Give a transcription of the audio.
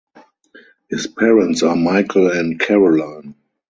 His parents are Michael and Caroline.